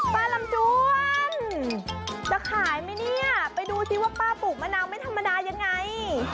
ลำดวนจะขายไหมเนี่ยไปดูสิว่าป้าปลูกมะนาวไม่ธรรมดายังไง